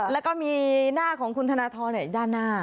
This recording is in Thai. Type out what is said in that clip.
แล้วก็มีหน้าของคุณธนทรอีกด้านหน้า